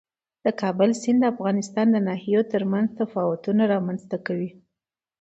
د کابل سیند د افغانستان د ناحیو ترمنځ تفاوتونه رامنځ ته کوي.